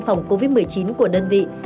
phòng covid một mươi chín của đơn vị